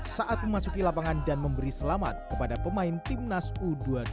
saat memasuki lapangan dan memberi selamat kepada pemain timnas u dua puluh dua